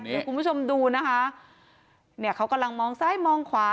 เดี๋ยวคุณผู้ชมดูนะคะเนี่ยเขากำลังมองซ้ายมองขวา